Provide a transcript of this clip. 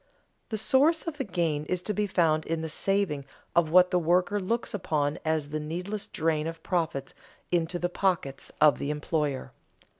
The source of the gain is to be found in the saving of what the worker looks upon as the needless drain of profits into the pockets of the employer.